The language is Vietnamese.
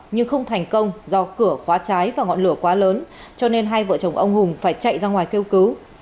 nhưng không thành công do cửa khóa trái và ngọn lửa quá lớn cho nên hai vợ chồng ông hùng phải chạy ra ngoài kêu cứu